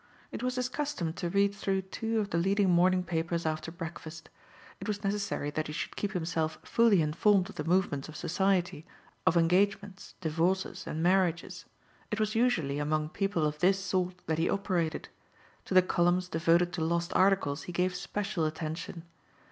It was his custom to read through two of the leading morning papers after breakfast. It was necessary that he should keep himself fully informed of the movements of society, of engagements, divorces and marriages. It was usually among people of this sort that he operated. To the columns devoted to lost articles he gave special attention.